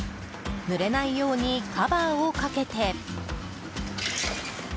ぬれないようにカバーをかけて。